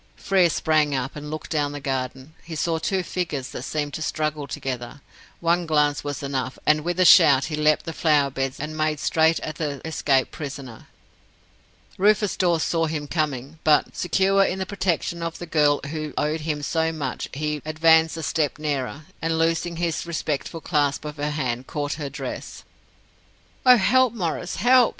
Frere sprang up, and looked down the garden. He saw two figures that seemed to struggle together. One glance was enough, and, with a shout, he leapt the flower beds, and made straight at the escaped prisoner. Rufus Dawes saw him coming, but, secure in the protection of the girl who owed to him so much, he advanced a step nearer, and loosing his respectful clasp of her hand, caught her dress. "Oh, help, Maurice, help!"